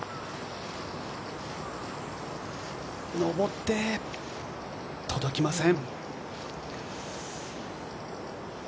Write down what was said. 上って届きません。